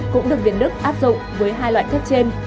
cũng được việt đức áp dụng với hai loại thuốc trên